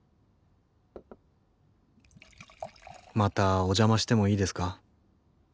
またお邪魔してもいいですか？